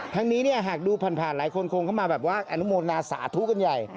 ทั้งนี้เนี่ยหากดูผ่านหลายคนคงเข้ามาแบบว่าอนุโมนาสาธุกันใหญ่